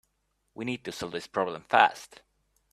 We need to solve this problem fast.